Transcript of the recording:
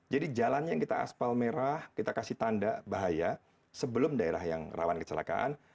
jadi jalannya kita aspal merah kita kasih tanda bahaya sebelum daerah yang rawan kecelakaan